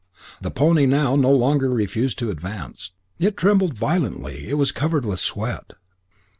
The pony now no longer refused to advance. It trembled violently, and was covered with sweat.